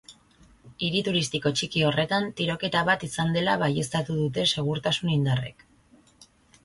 Hiri turistiko txiki horretan tiroketa bat izan dela baieztatu dute segurtasun indarrek.